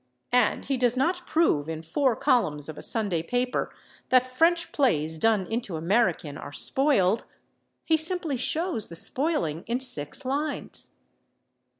And he does not prove in four columns of a Sunday paper that French plays done into American are spoiled; he simply shows the spoiling in six lines.